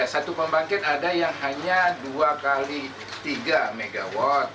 satu pembangkit ada yang hanya dua x tiga mw